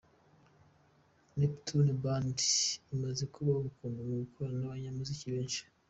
Neptunez Band imaze kuba ubukombe mu gukorana n’abanyamuziki benshi:.